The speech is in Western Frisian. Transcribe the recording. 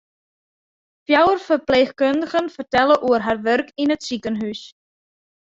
Fjouwer ferpleechkundigen fertelle oer har wurk yn it sikehûs.